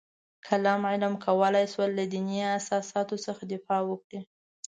کلام علم کولای شول له دیني اساساتو څخه دفاع وکړي.